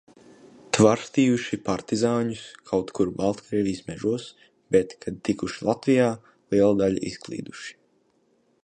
Tvarstījuši partizāņus, kaut kur Baltkrievijas mežos, bet, kad tikuši Latvijā, liela daļa izklīduši.